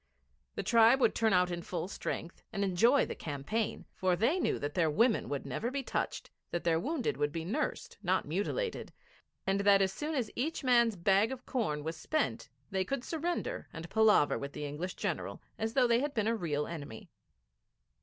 The tribe would turn out in full strength and enjoy the campaign, for they knew that their women would never be touched, that their wounded would be nursed, not mutilated, and that as soon as each man's bag of corn was spent they could surrender and palaver with the English General as though they had been a real enemy.